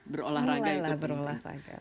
berolahraga itu mulailah berolahraga